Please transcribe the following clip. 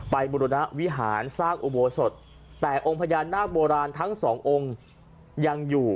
บุรณวิหารสร้างอุโบสถแต่องค์พญานาคโบราณทั้งสององค์ยังอยู่